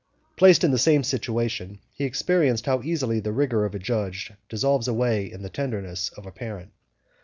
Placed in the same situation, he experienced how easily the rigor of a judge dissolves away in the tenderness of a parent.